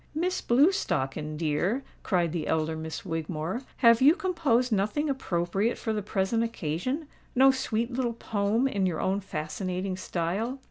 "Miss Blewstocken, dear," cried the elder Miss Wigmore, "have you composed nothing appropriate for the present occasion?—no sweet little poem in your own fascinating style?"